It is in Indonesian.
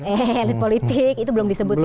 eh elit politik itu belum disebut sih